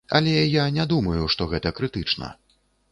Але я не думаю, што гэта крытычна.